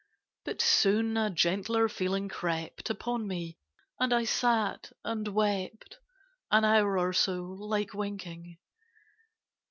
But soon a gentler feeling crept Upon me, and I sat and wept An hour or so, like winking.